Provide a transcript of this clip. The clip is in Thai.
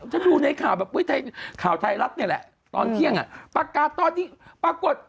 ถ้าดูในข่าวแบบข่าวไทยรัฐนี่แหละตอนเที่ยงประกาศตอนนี้ปรากฏ